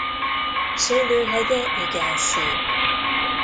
Szőlőhegye igen szép.